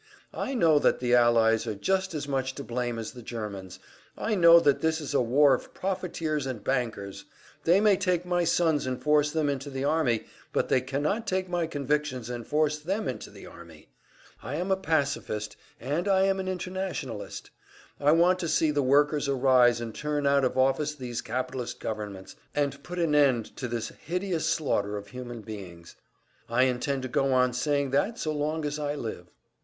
I know that the Allies are just as much to blame as the Germans, I know that this is a war of profiteers and bankers; they may take my sons and force them into the army, but they cannot take my convictions and force them into their army. I am a pacifist, and I am an internationalist; I want to see the workers arise and turn out of office these capitalist governments, and put an end to this hideous slaughter of human beings. I intend to go on saying that so long as I live."